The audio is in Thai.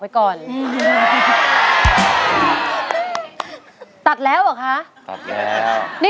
นี่คือที่เราให้สุดภูมิ